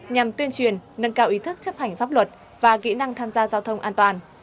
nhằm tuyên truyền nâng cao ý thức chấp hành pháp luật và kỹ năng tham gia giao thông an toàn